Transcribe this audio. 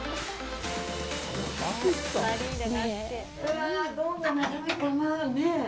うわぁ、どんな眺めかなぁ。ねぇ？